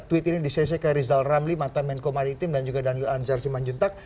tweet ini di cc ke rizal ramli mantan menko maritim dan juga daniel anjar simanjuntak